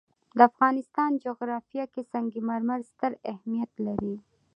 د افغانستان جغرافیه کې سنگ مرمر ستر اهمیت لري.